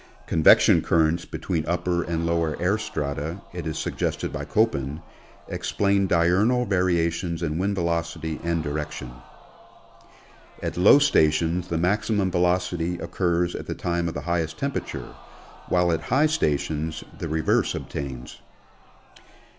Convection currents between upper and lower air strata, it is sug gested by Koppen, explain diurnal variations in wind velocity and direction. At low stations the maximum velocity occurs at the time of the highest temperature, while at high stations the reverse obtains.